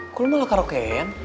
kau malah karoke